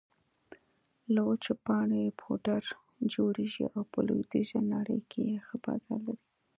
له وچو پاڼو يې پوډر جوړېږي او په لویدېزه نړۍ کې ښه بازار لري